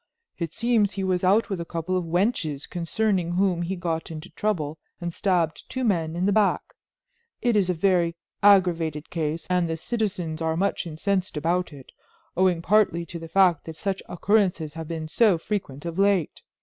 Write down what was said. It seems he was out with a couple of wenches concerning whom he got into trouble and stabbed two men in the back. It is a very aggravated case and the citizens are much incensed about it, owing partly to the fact that such occurrences have been so frequent of late.